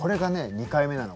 ２回目なの。